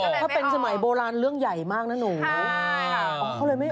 อ๋อถ้าเป็นสมัยโบราณเรื่องใหญ่มากน่ะหนูอ๋อเขาเลยไม่ออก